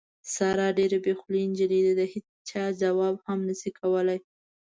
ساره ډېره بې خولې نجیلۍ ده، د هېچا ځواب هم نشي کولی.